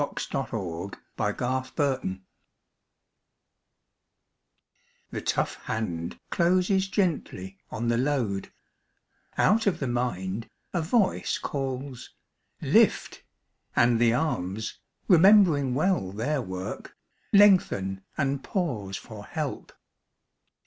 62 MAN CARRYING BALE r I ^HE tough hand closes gently on the load ; X Out of the mind, a voice Calls " Lift !" and the arms, remembering well their work, Lengthen and pause for help.